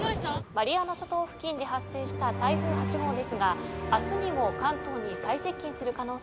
マリアナ諸島付近で発生した台風８号ですが明日にも関東に最接近する可能性が出てきました。